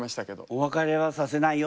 お別れはさせないよ。